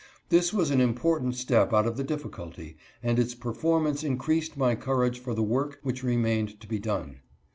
This was an important step out of the difficulty, and its performance increased my courage for the work which remained to be done.